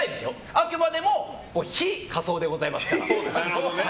あくまでも非仮装でございますから。